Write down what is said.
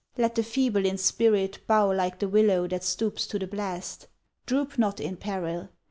Let the feeble in spirit Bow like the willow that stoops to the blast. Droop not in peril!